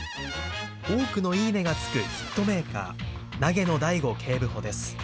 多くのいいねがつくヒットメーカー、投埜大悟警部補です。